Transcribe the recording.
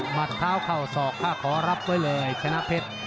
มัดเท้าเข้าศอกค่าขอรับไว้เลยชนะเพชร